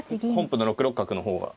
本譜の６六角の方が。